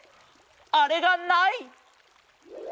あれがない！